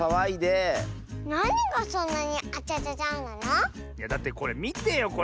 いやだってこれみてよ